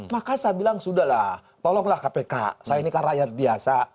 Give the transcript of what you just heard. maka saya bilang sudah lah tolonglah kpk saya ini kan rakyat biasa